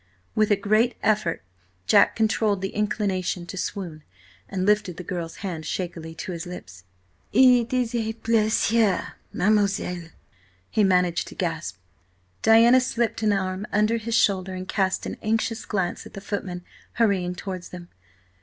With a great effort Jack controlled the inclination to swoon, and lifted the girl's hand shakily to his lips. "It is a–pleasure–mademoiselle," he managed to gasp. "Now–you may–I think–proceed–in safety." Diana slipped an arm under his shoulder and cast an anxious glance at the footman, hurrying towards them.